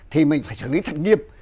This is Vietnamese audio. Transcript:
thì mình phải xử lý thật nghiêm